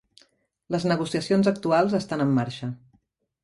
Les negociacions actuals estan en marxa.